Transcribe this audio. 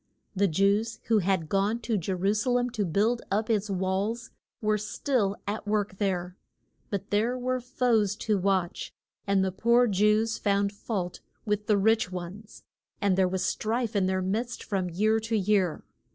The Jews who had gone to Je ru sa lem to build up its walls were still at work there. But there were foes to watch, and the poor Jews found fault with the rich ones, and there was strife in their midst from year to year.